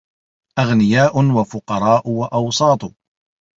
أَغْنِيَاءٌ وَفُقَرَاءُ وَأَوْسَاطُ